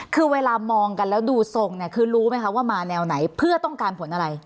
คือเวลามองกันแล้วดูทรงเนี่ยคือรู้ไหมคะว่ามาแนวไหนเพื่อต้องการผลอะไร